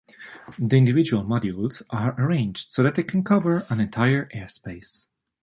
The individual modules are so arranged that they can cover the entire air space.